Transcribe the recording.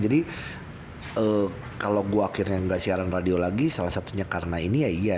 jadi kalo gue akhirnya gak siaran radio lagi salah satunya karena ini ya iya